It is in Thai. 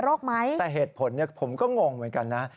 ไหมแต่เหตุผลผมก็งงเหมือนกันนะ